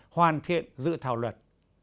hoàn thiện dự thảo luật